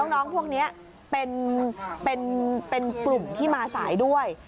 น้องพวกนี้เป็นกลุ่มที่มาสายด้วย